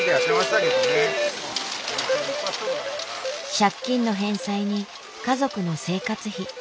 借金の返済に家族の生活費。